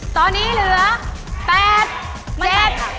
ตอนนี้เหลือ๘๗๖๕๖๗๘